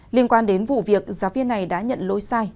liên quan đến vụ việc giáo viên này đã nhận lỗi sai